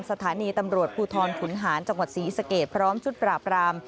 สถานีตำรวจภูทรขุนหานจังหวัดศรีสเกตพร้อมชุดปราบราม